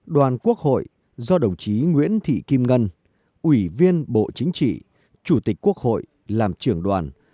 đoàn quốc hội do đồng chí nguyễn thị kim ngân ủy viên bộ chính trị chủ tịch quốc hội làm trưởng đoàn